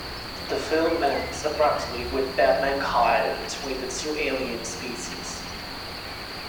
The film ends abruptly with Batman caught in between the two alien species.